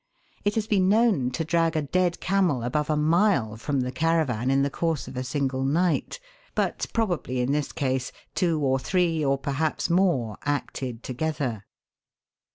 It has been known to drag a dead camel above a mile from the caravan in the course of a single night, but probably in this case two or three, or perhaps more, acted together.